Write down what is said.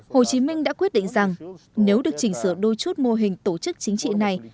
hồ chí minh đã quyết định rằng nếu được chỉnh sửa đôi chút mô hình tổ chức chính trị này